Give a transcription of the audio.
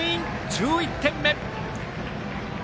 １１点目。